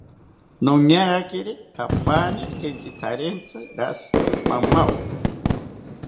Noñagakiri apaani kenkitharentzi rashi mamawo